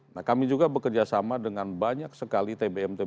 nah kami juga bekerjasama dengan banyak sekali tbm tbm